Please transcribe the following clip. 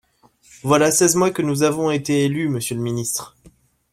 Voilà seize mois que nous avons été élus, monsieur le ministre.